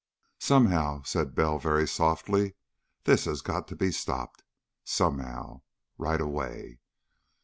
"Somehow," said Bell very softly, "this has got to be stopped. Somehow. Right away.